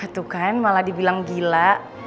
tuh kan malah dibilang gila